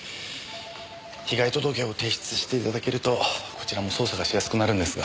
被害届を提出して頂けるとこちらも捜査がしやすくなるんですが。